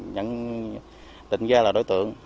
nhận định ra là đối tượng